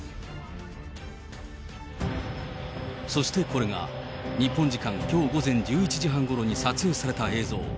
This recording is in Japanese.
そして、これが日本時間きょう午前１１時半ごろに撮影された映像。